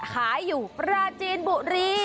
ขายอยู่ปราจีนบุรี